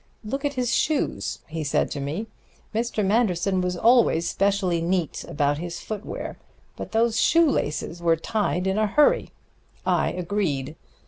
'Look at his shoes,' he said to me: 'Mr. Manderson was always specially neat about his foot wear. But those shoe laces were tied in a hurry.' I agreed.